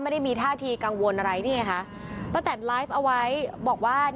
ไม่ได้มีท่าทีกังวลอะไรนี่ไงคะป้าแตนไลฟ์เอาไว้บอกว่า